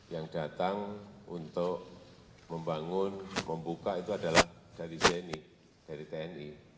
yang datang untuk membangun membuka itu adalah dari tni